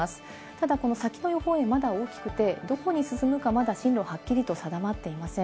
ただこの先の予報円はまだ大きくて、どこに進むかまだ進路をはっきりと定まっていません。